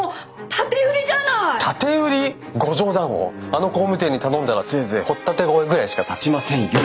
あの工務店に頼んだらせいぜい掘っ立て小屋ぐらいしか建ちませんよ！